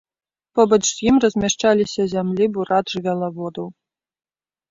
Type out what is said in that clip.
Побач з ім размяшчаліся зямлі бурат-жывёлаводаў.